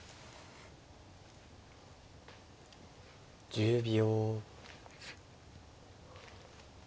１０秒。